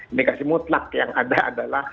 indikasi mutlak yang ada adalah